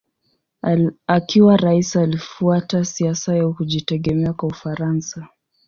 Akiwa rais alifuata siasa ya kujitegemea kwa Ufaransa.